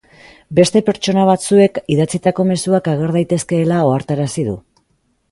Beste pertsona batzuek idatzitako mezuak ager daitezkeela ohartarazi du.